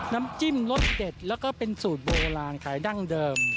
น้ำจิ้มรสเด็ดแล้วก็เป็นสูตรโบราณขายดั้งเดิม